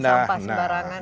nggak buang sampah sebarangan